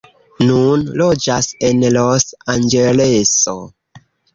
Nun loĝas en Los-Anĝeleso.